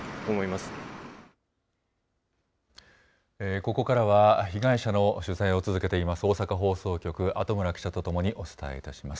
ここからは被害者の取材を続けています、大阪放送局、後村記者と共にお伝えいたします。